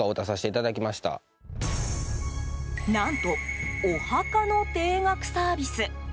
何と、お墓の定額サービス。